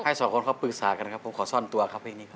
สองคนเขาปรึกษากันนะครับผมขอซ่อนตัวครับเพลงนี้ครับ